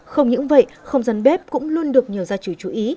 không những vậy không gian bếp cũng luôn được nhiều gia trừ chú ý